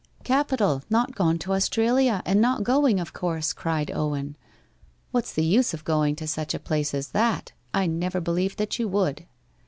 'Capital not gone to Australia, and not going, of course!' cried Owen. 'What's the use of going to such a place as that? I never believed that you would.